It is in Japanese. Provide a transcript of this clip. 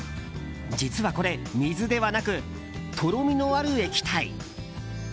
実はこれ、水ではなくとろみのある液体。